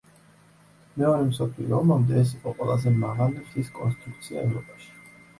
მეორე მსოფლიო ომამდე ეს იყო ყველაზე მაღალი ხის კონსტრუქცია ევროპაში.